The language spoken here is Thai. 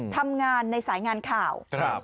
ทำงานในสายงานข่าว